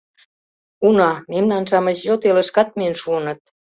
Уна, мемнан-шамыч йот элышкат миен шуыныт.